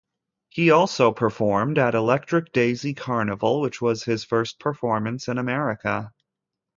He also performed at Electric Daisy Carnival, which was his first performance in America.